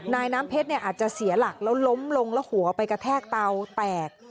น้ำเพชรเนี่ยอาจจะเสียหลักแล้วล้มลงแล้วหัวไปกระแทกเตาแตก